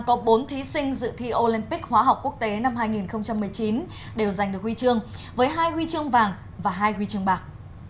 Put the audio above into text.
có bốn thí sinh dự thi olympic hóa học quốc tế năm hai nghìn một mươi chín đều giành được huy chương với hai huy chương vàng và hai huy chương bạc